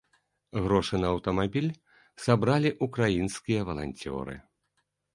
Грошы на аўтамабіль сабралі ўкраінскія валанцёры.